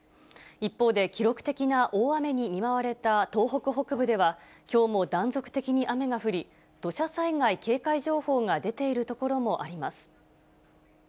一方で記録的な大雨に見舞われた東北北部では、きょうも断続的に雨が降り、土砂災害警戒情報が出ている所もあります。